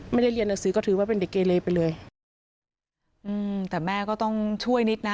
ไม่ได้เรียนหนังสือก็ถือว่าเป็นเด็กเกเลไปเลยอืมแต่แม่ก็ต้องช่วยนิดนะ